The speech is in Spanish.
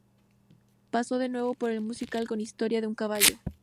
Pasó de nuevo por el musical con "Historia de un caballo".